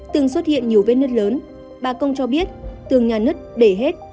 từng xuất hiện nhiều vết nứt lớn bà công cho biết tường nhà nứt để hết